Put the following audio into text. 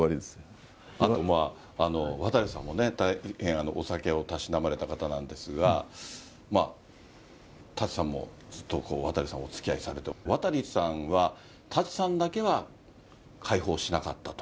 あと、渡さんもね、大変お酒をたしなまれた方なんですが、舘さんもずっと渡さん、おつきあいされて、渡さんは、舘さんだけは解放しなかったと？